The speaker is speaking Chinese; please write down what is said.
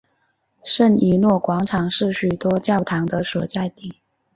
圣以诺广场是许多教堂的所在地。